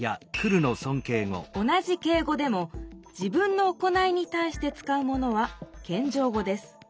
同じ敬語でも自分の行いにたいして使うものはけんじょう語です。